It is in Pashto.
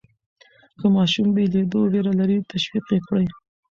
که ماشوم بېلېدو وېره لري، تشویق یې کړئ.